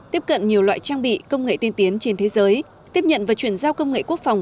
tiếp cận nhiều loại trang bị công nghệ tiên tiến trên thế giới tiếp nhận và chuyển giao công nghệ quốc phòng